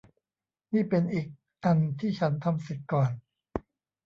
นี่เป็นอีกอันที่ฉันทำเสร็จก่อน